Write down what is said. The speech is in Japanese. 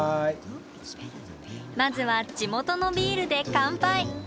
まずは地元のビールで乾杯。